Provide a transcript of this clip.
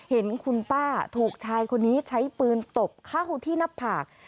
เห็นคุณป้าถูกชายคนนี้ใช้ปืนตบเข้าที่หน้าผาก